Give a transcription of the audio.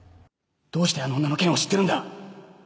どうしてあの女の件を知ってるんだ！？